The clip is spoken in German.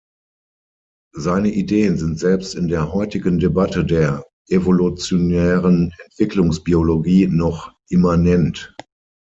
Seine Ideen sind selbst in der heutigen Debatte der evolutionären Entwicklungsbiologie noch immanent.